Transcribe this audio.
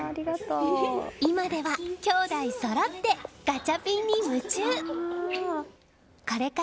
今では兄妹そろってガチャピンに夢中。